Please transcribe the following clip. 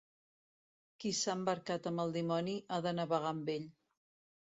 Qui s'ha embarcat amb el dimoni, ha de navegar amb ell.